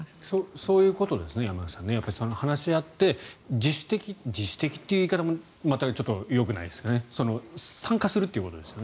そういうことですよね山口さん話し合って自主的自主的という言い方もまたよくないですが参加するっていうことですよね。